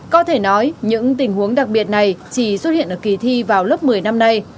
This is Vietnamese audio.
có thể nói những tình huống đặc biệt này chỉ xuất hiện ở kỳ thi vào lớp một mươi năm nay